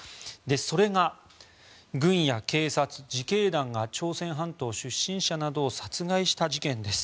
それが軍や警察、自警団が朝鮮半島出身者などを殺害した事件です。